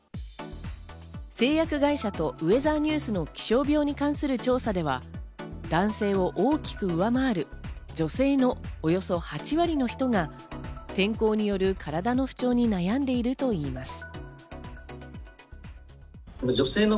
製薬会社とウェザーニューズの気象病に関する調査では、男性を大きく上回る女性のおよそ８割の人が天候による体の不調に悩んでいるといいます。